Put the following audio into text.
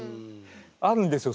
あるんですよ